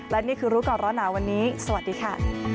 และนี่คือรู้ก่อนร้อนหนาวันนี้สวัสดีค่ะ